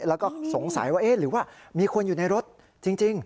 แล้วก็สงสัยว่าเอ๊ะหรือว่ามีคนอยู่ในรถจริง